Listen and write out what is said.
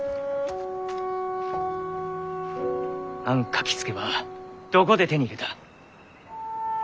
あん書きつけばどこで手に入れた？